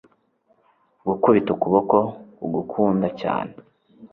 gukubita ukuboko kugukunda cyane